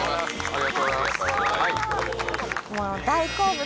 ありがとうございます